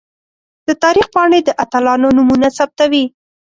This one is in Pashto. د تاریخ پاڼې د اتلانو نومونه ثبتوي.